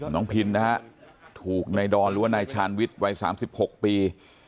พินนะฮะถูกนายดอนหรือว่านายชาญวิทย์วัย๓๖ปี